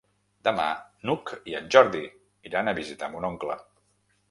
Demà n'Hug i en Jordi iran a visitar mon oncle.